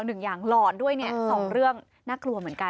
หนึ่งอย่างหลอนด้วยเนี่ยสองเรื่องน่ากลัวเหมือนกัน